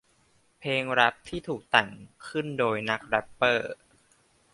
เพลงแร็ปที่ถูกแต่งขึ้นโดยนักแร็ปเปอร์